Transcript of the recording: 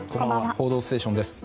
「報道ステーション」です。